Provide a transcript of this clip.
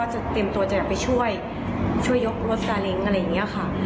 ว่าจะติดพังอยากจะไปช่วยช่วยยกรถรถสระงอะไรอย่างเงี้ยค่ะ